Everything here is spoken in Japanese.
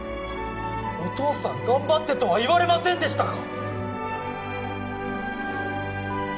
「お父さん頑張って」とは言われませんでしたか？